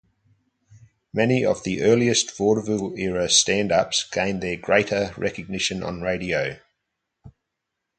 Many of the earliest vaudeville-era stand-ups gained their greater recognition on radio.